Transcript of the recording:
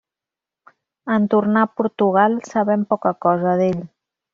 En tornar a Portugal sabem poca cosa d'ell.